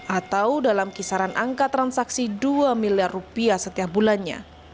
atau dalam kisaran angka transaksi dua miliar rupiah setiap bulannya